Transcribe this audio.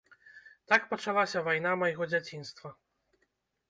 Так пачалася вайна майго дзяцінства.